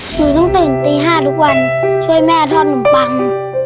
หนูต้องตื่นตี๕ทุกวันช่วยแม่ทอดนมปัง